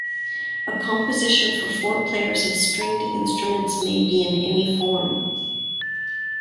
A composition for four players of stringed instruments may be in any form.